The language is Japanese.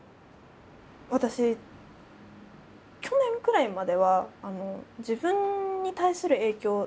私去年くらいまでは自分に対する影響